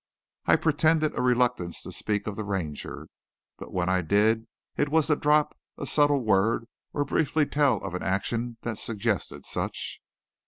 I pretended a reluctance to speak of the Ranger, but when I did it was to drop a subtle word or briefly tell of an action that suggested such.